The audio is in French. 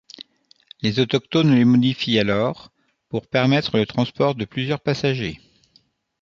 Les autochtones les modifient alors pour permettre le transport de plusieurs passagers.